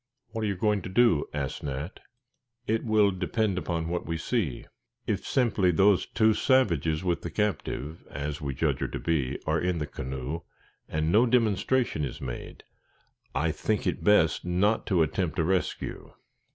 "What are you going to do?" asked Nat. "It will depend upon what we see. If simply those two savages with the captive, as we judge her to be, are in the canoe, and no demonstration is made, I think it best not to attempt a rescue.